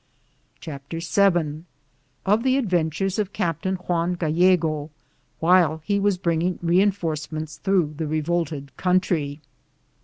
CHAPTER VII Of the adventures of Captain Juan Gallego while he was bringing reenf orcements through the revolted country.